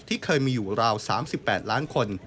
ที่เคยมีอยู่ราว๓๘ล้านคน